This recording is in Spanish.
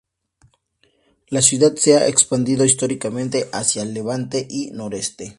La ciudad se ha expandido históricamente hacia levante y noreste.